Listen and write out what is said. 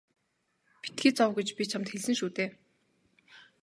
Битгий зов гэж би чамд хэлсэн шүү дээ.